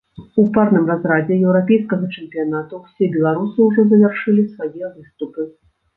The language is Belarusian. У парным разрадзе еўрапейскага чэмпіянату ўсе беларусы ўжо завяршылі свае выступы.